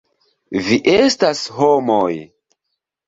Vi estas homoj!